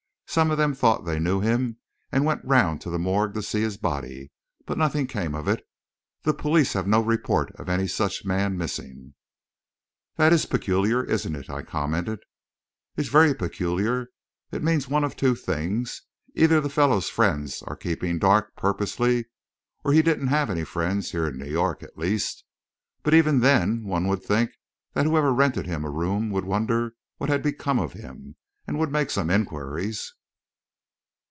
Some of them thought they knew him and went around to the morgue to see his body, but nothing came of it. The police have no report of any such man missing." "That is peculiar, isn't it!" I commented. "It's very peculiar. It means one of two things either the fellow's friends are keeping dark purposely, or he didn't have any friends, here in New York, at least. But even then, one would think that whoever rented him a room would wonder what had become of him, and would make some inquiries."